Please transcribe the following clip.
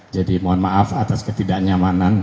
jadi mohon maaf atas ketidaknyamanan